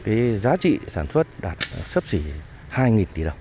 cái giá trị sản xuất đạt sấp xỉ hai tỷ đồng